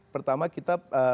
pertama kita pemerintah